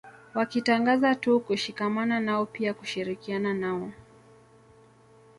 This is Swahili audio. Wakitangaza tu kushikamana nao pia kushirikiana nao